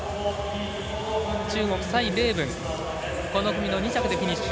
中国、蔡麗ぶんこの組の２着でフィニッシュ。